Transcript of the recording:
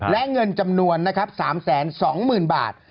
และเงินจำนวนนะครับ๓แสน๒หมื่นบาท